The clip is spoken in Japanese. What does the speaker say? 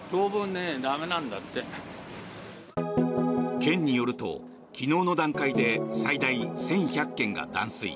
県によると昨日の段階で最大１１００軒が断水。